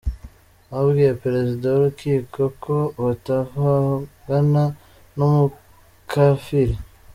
Babwiye Perezida w’Urukiko ko batavugana n’umukafiri.